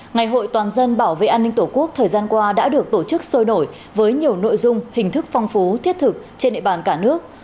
ngày hội toàn dân bảo vệ an ninh tổ quốc thời gian qua đã được tổ chức sôi nổi với nhiều nội dung hình thức phong phú thiết thực trên địa bàn cả nước